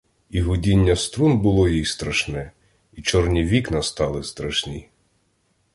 І гудіння струн було їй страшне, і чорні вікна стали страшні.